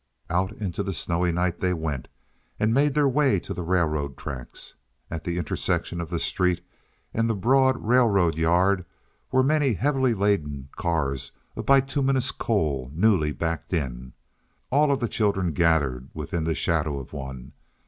Out into the snowy night they went, and made their way to the railroad tracks. At the intersection of the street and the broad railroad yard were many heavily laden cars of bituminous coal newly backed in. All of the children gathered within the shadow of one.